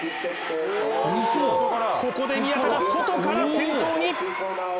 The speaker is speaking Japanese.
ここで宮田が外から先頭に。